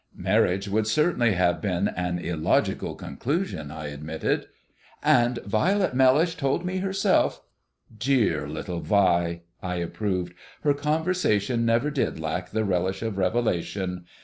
"Marriage would certainly have been an illogical conclusion," I admitted. "And Violet Mellish told me herself " "Dear little Vi," I approved. "Her conversation never did lack the relish of revelation.